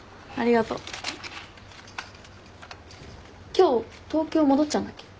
今日東京戻っちゃうんだっけ。